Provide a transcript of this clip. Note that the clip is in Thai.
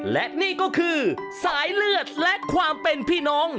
และนี่ก็คือสายเลือดและความเป็นพี่น้อง